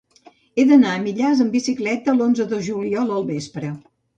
He d'anar a Millars amb bicicleta l'onze de juliol al vespre.